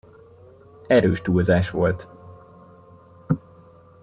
Erős túlzás volt.